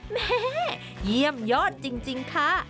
แม่เยี่ยมยอดจริงค่ะ